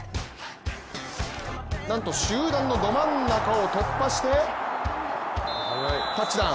なんと集団のど真ん中を突破してタッチダウン。